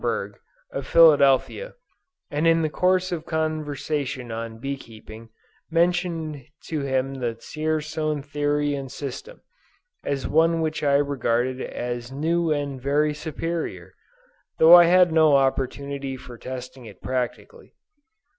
Berg, of Philadelphia, and in the course of conversation on bee keeping, mentioned to him the Dzierzon theory and system, as one which I regarded as new and very superior, though I had had no opportunity for testing it practically.